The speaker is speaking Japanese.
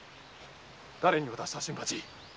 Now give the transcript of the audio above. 誰に渡した新八！